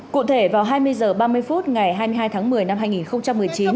cụ thể vào hai mươi h ba mươi phút ngày hai mươi hai tháng một mươi năm hai nghìn một mươi chín